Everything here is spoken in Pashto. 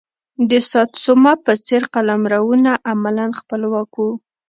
د ساتسوما په څېر قلمرونه عملا خپلواک وو.